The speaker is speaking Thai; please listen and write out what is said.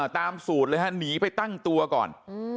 ตามสูตรเลยฮะหนีไปตั้งตัวก่อน